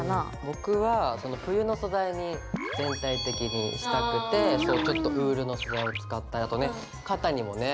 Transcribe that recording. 僕は冬の素材に全体的にしたくてちょっとウールの素材を使ったりあと肩にもね。